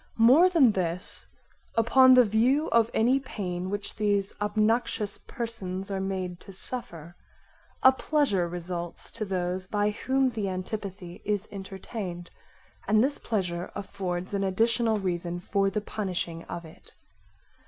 More than this upon the view of any pain which these obnoxious persons are made to suffer, a pleasure results to those by whom the antipathy is entertained, and this pleasure affords an additional reason for the punishing of it.